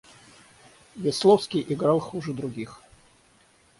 Весловский играл хуже других.